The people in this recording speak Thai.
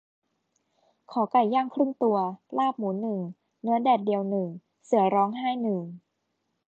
ขอไก่ย่างครึ่งตัว ลาบหมูหนึ่ง เนื้อแดดเดียวหนึ่ง เสือร้องไห้หนึ่ง